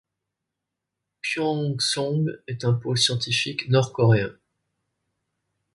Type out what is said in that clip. Pyongsong est un pôle scientifique nord-coréen.